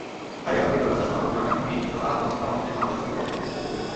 সারিয়াকান্দির জোড়গাছা-সোনাপুর গ্রামের ভূমিহীন কৃষক আহাদ বক্স প্রামাণিকের সম্বল শুধু বসতভিটাটুকুই।